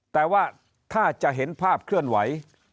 แต่ว่าถ้าจะเห็นภาพเคลื่อนไหว